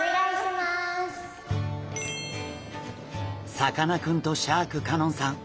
さかなクンとシャーク香音さん